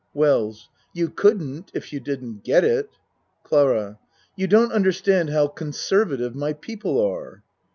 WELLS You couldn't if you didn't get it. CLARA You don't understand how conservative my people are.